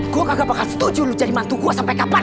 gue kagak bakal setuju lu jadi mantu gue sampai kapan